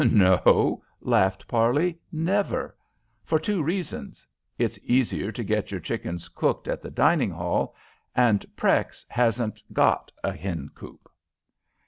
"No," laughed Parley, "never. For two reasons: it's easier to get our chickens cooked at the dining hall, and Prex hasn't got a hen coop."